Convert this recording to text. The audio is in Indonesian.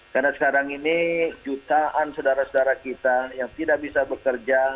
karena sekarang ini jutaan sedara sedara kita yang tidak bisa bekerja